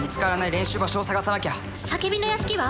練習場所を探さなきゃ「叫びの屋敷」は？